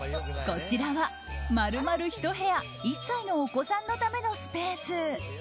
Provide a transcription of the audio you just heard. こちらは丸々ひと部屋１歳のお子さんのためのスペース。